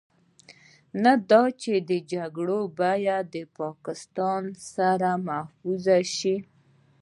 نه دا چې د جګړو په بيه د پاکستان سر محفوظ شي.